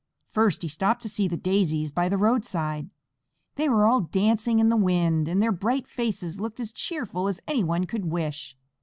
First he stopped to see the Daisies by the roadside. They were all dancing in the wind, and their bright faces looked as cheerful as anyone could wish.